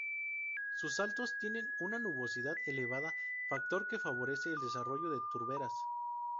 Sus altos tienen una nubosidad elevada, factor que favorece el desarrollo de turberas.